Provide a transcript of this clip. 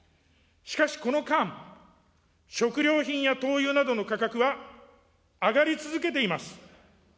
しかし、この間、食料品や灯油などの価格は上がり続けています。